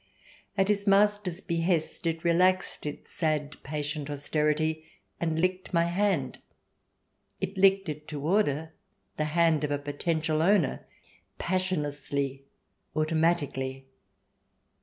At his master's behest it relaxed its sad, patient austerity, and licked my hand. It licked it to order, the hand of a poten tial owner, passionlessly, automatically.